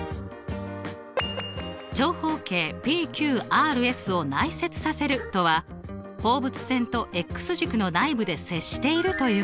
「長方形ＰＱＲＳを内接させる」とは放物線と軸の内部で接しているということです。